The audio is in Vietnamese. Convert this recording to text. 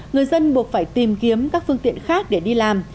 người dân buộc phải tìm kiếm các phương tiện khác để đi làm